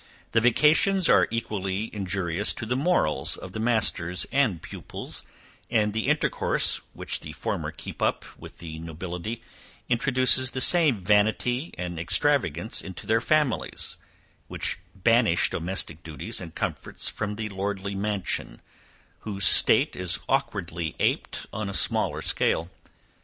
The vacations are equally injurious to the morals of the masters and pupils, and the intercourse, which the former keep up with the nobility, introduces the same vanity and extravagance into their families, which banish domestic duties and comforts from the lordly mansion, whose state is awkwardly aped on a smaller scale.